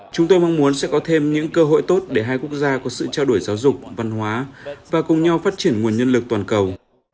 chúng tôi mong muốn sẽ có thêm những cơ hội tốt để hai quốc gia có sự trao đổi giáo dục văn hóa và cùng nhau phát triển nguồn nhân lực toàn cầu